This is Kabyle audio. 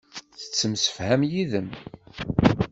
Tettemsefham yid-m.